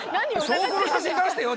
証拠の写真出してよ